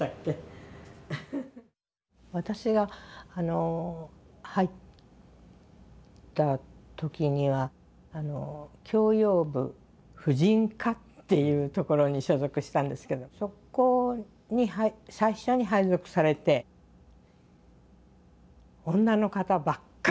私が入った時には教養部婦人課っていうところに所属したんですけどそこに最初に配属されて女の方ばっかりでしたね。